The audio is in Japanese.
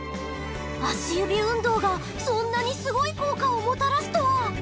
足指運動がそんなにスゴい効果をもたらすとは！